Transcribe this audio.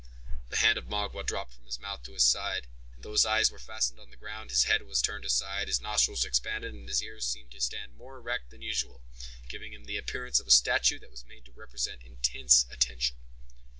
The hand of Magua dropped from his mouth to his side, and though his eyes were fastened on the ground, his head was turned aside, his nostrils expanded, and his ears seemed even to stand more erect than usual, giving to him the appearance of a statue that was made to represent intense attention.